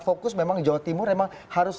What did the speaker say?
fokus memang jawa timur memang harus